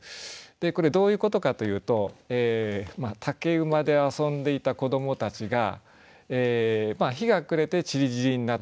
これどういうことかというと竹馬で遊んでいた子どもたちが日が暮れてちりぢりになったという意味もあるし